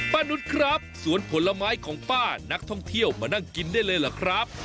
นุษย์ครับสวนผลไม้ของป้านักท่องเที่ยวมานั่งกินได้เลยเหรอครับ